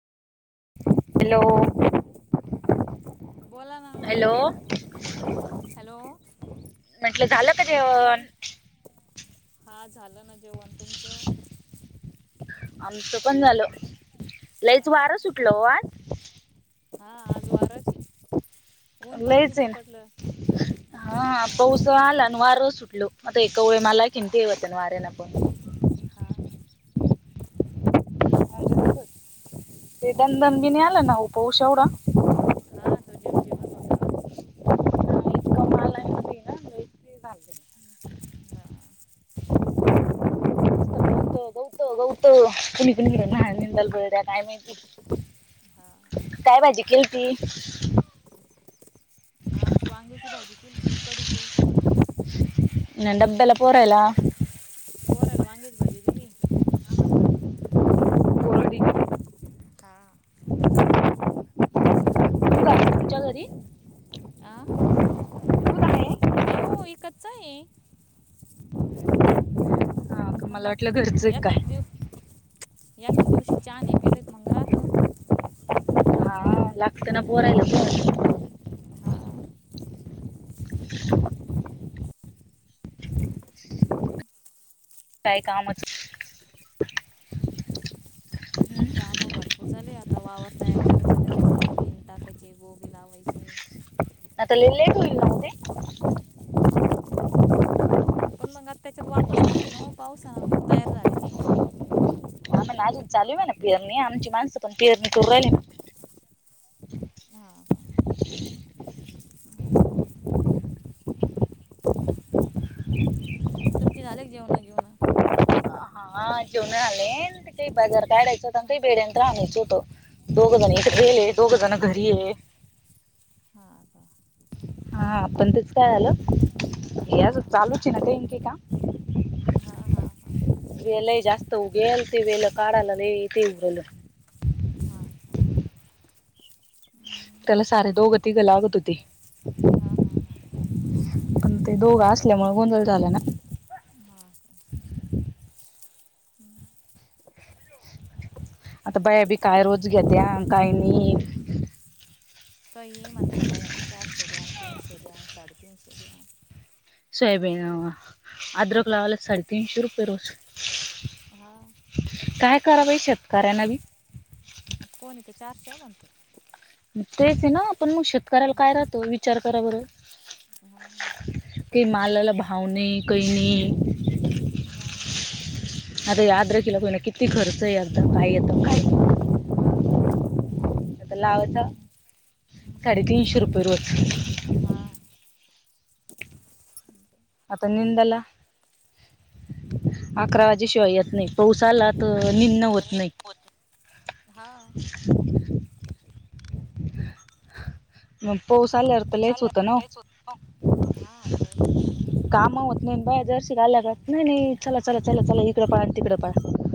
Hello. बोला ना hello hello. म्हटलं झालं का आवाज जेवण. हा झालं न जेवण तुमचं. आमचं पण झालं. लईच हा वारं सुटलं ओ आज. हा आज वारची. लईच आहे न हा पाऊस हा आला आणि वार सुटल. आता एका वेळ मला किंती येेतत वारे ना पण. हा. [inaudible] ते ददन बि नाही आलं ना पाऊस एवढा. हा तो जिम जिमच होता ना. इतका माल आहे ना ते ना लईच ते झालं. हा. बत कुणी कुणी घ ना निंदल्या काय माहिती. हा. काय भाजी केलती. आज वांग्याची भाजी केलती कढी केलती. डब्याला पोरायला. पोरायला वांग्याची भाजी दिली. आम्हाला कडी केली. कोरडी. खा. तुमच्या घरी. आ. तू काय? नाही ओ इकचाय. हा पण का मग मला वाटलं आज घरचं आहे एखाद काय दिव एखा दिवशी चा नाही पेले तर मगं राहत. लागतेना पोरायला पण. हा. [inaudible] हम्म. काय कामच. काम भर कुठं चाले आहे आता वावर तयार करायच. त्यांच्यात सोयाबीन टाकायचे गोबी लावायचे. आता लय होईल न ती. पण मग आता त्याच्यात वापस नव्हती न पाऊस ना कुठ तयार झाली ते. पण अजून चालू आहे ना पेरणी आमची माणसं पण पेरणी करू राहिले. हा. हा. हम्म [unintelligible] तुमचे झाले का जेवण गीवण? ना हा जेवून नाही आले ते काही बाजार काढायचं होतं हां काही भेडंत आणायच होतं. दोघ जण इकडे हां गेली दोघ जण घरी हे. हा. हा. हा. आपण तेच काय आलो चालू च नका इक काम हा हा हा. एल जास्त ह उगेल ते वेल काढाला येती उरलं. हा का. त्याला सारे दोघं तिघ लागत होते. हा हा हा. पण ते दोघं असल्यामुळे गोंधळ झाल ना. हा का? हम्म. आता बया बी काय रोज घेत्या, काय नाही. काहीही म्हणते बया. चारशे द्या आणि तीनशे द्या आणि साडेतीनशे द्या. सोयाबीन. अद्रक लावाला साडे तीनशे रुपये रोज. हा. काय कराव बाई शेतकऱ्यांन बी? आता कोनय तर चारशे म्हणतं. मग तेच आहे ना, पण मग शेतकऱ्याला काय राहतो विचार करा बरं. हा. की मालाला भाव नाही, काही नाही. हा. आता [unintelligible] केला किती खर्च आहे [unintelligible] काय येतं काय. नाही हा. आता लावायचा साडेतीनशे रुपये रोज. हा. [inaudible] आता निंदला अकरा वाजेशिवाय येत नाही. पाऊस आला तर निंन होत नाही. हा मग पाऊस आल्यावर तर लईच चालेल होतं ना, लयच होत हा पाऊस आल्यावर होतच ना ते काम होत नाही बा जर्शी [unintelligible] नाही नाही चला चला चला चला इकडं पळा आणि तिकडं पळा.